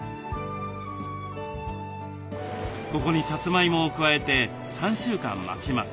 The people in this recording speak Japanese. ここにさつまいもを加えて３週間待ちます。